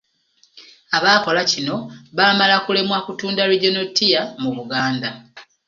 Abaakola kino baamala kulemwa kutunda Regional Tier mu Buganda.